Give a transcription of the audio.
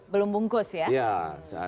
belum bungkus ya